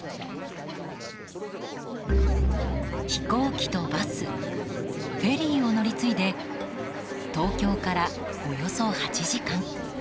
飛行機とバスフェリーを乗り継いで東京から、およそ８時間。